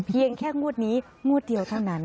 เพียงแค่งวดนี้งวดเดียวเท่านั้น